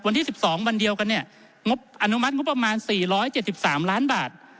วันที่๑๒วันเดียวกันเนี่ยงบอนุมัติงบประมาณ๔๗๓ล้านบาท